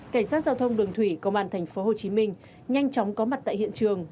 cảnh sát giao thông đường thủy công an thành phố hồ chí minh nhanh chóng có mặt tại hiện trường